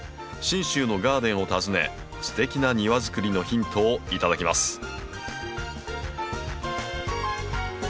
信州のガーデンを訪ねすてきな庭づくりのヒントを頂きます。